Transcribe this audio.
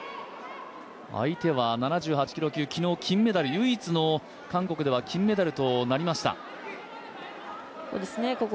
相手は７８キロ級、昨日唯一の、韓国では金メダルとなりました。